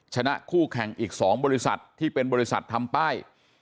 ชนะคู่แข่งอีก๒บริษัทที่เป็นบริษัททำป้าย